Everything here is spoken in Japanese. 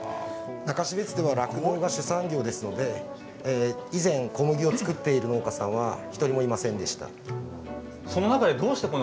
中標津では酪農が主産業ですので以前小麦を作っている農家さんは１人もいませんでした。